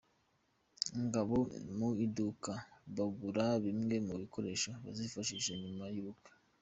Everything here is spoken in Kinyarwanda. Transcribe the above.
Ngabo mu iduka bagura bimwe mu bikoresho bazifashisha nyuma y'ubukwe.